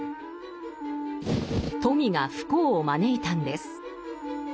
富が不幸を招いたんです。